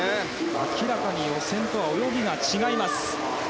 明らかに予選とは泳ぎが違います。